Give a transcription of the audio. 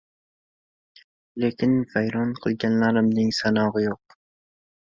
lekin vayron qilganlarimning sanog‘i yo‘q”.